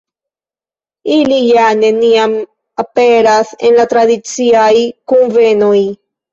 Ili ja neniam aperas en la tradiciaj kunvenoj.